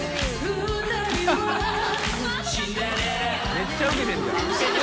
めっちゃウケてんじゃん。